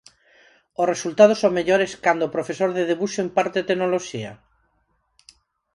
¿Os resultados son mellores cando o profesor de Debuxo imparte Tecnoloxía?